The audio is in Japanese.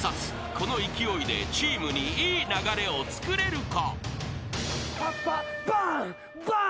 この勢いでチームにいい流れをつくれるか？］